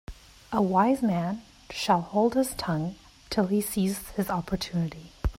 A wise man shall hold his tongue till he sees his opportunity.